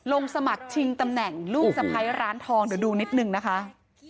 ลงสมัครชิงตำแหน่งลูกสะพ้ายร้านทองเดี๋ยวดูนิดนึงนะคะ